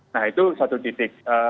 nah itu satu titik